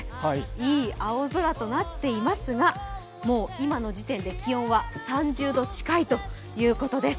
いい青空となっていますが、もう今の時点で気温は３０度近いということです。